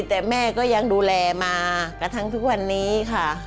แต่แม่ก็ยังดูแลมากระทั่งทุกวันนี้ค่ะ